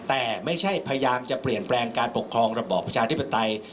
แต่ไม่ใช่พยายามจะเปลี่ยนแปลงการปกครองระบอบประชาธิปไตย